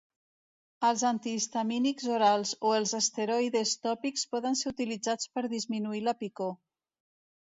Els antihistamínics orals o els esteroides tòpics poden ser utilitzats per disminuir la picor.